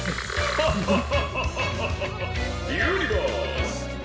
「ハハハハハハユニバース！」。